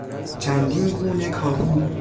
چندین گونه کاهو